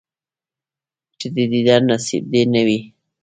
چې د دیدن نصیب یې نه وي،